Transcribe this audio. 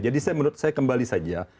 jadi saya menurut saya kembali saja